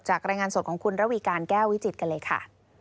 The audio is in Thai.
รายงานสดของคุณระวีการแก้ววิจิตกันเลยค่ะ